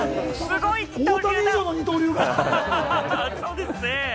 大谷以上の二刀流だ。